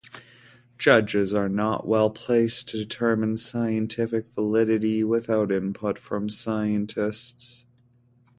Judges are not well-placed to determine scientific validity without input from scientists.